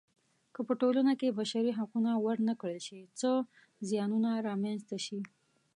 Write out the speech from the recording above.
که په ټولنه کې بشري حقونه ورنه کړل شي څه زیانونه رامنځته شي.